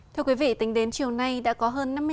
thưa quý vị tính đến chiều nay đã có hơn năm mươi sáu tờ